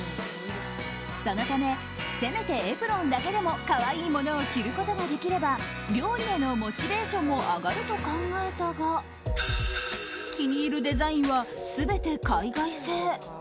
そのため、せめてエプロンだけでも可愛いものを着ることができれば料理へのモチベーションも上がると考えたが気に入るデザインは全て海外製。